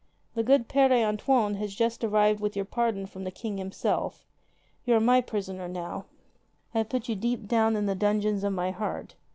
The good Pere Antoine has just arrived with your pardon from the King himself. You are my prisoner now. I have put you deep down in the dungeon of my heart.